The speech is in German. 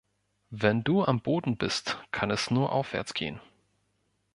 Wenn du am Boden bist, kann es nur aufwärts gehen.